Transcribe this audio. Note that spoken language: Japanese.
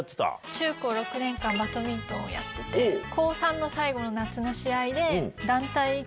中・高６年間バドミントンをやってて高３の最後の夏の試合で。